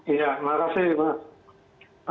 iya makasih mas